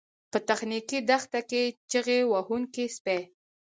په تخنیکي دښته کې چیغې وهونکي سپي